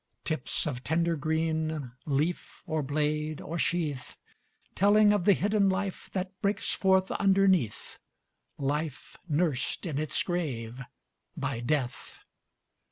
Tips of tender green, Leaf, or blade, or sheath; Telling of the hidden life That breaks forth underneath, Life nursed in its grave by Death.